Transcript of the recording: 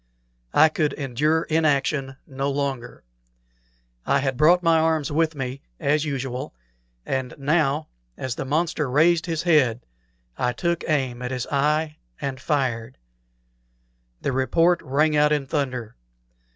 I could endure inaction no longer. I had brought my arms with me, as usual; and now, as the monster raised his head, I took aim at his eye and fired. The report rang out in thunder.